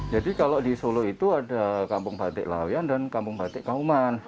jadi kalau di solo itu ada kampung batik laweyan dan kampung batik kauman